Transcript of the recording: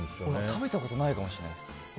食べたことないかもしれないです。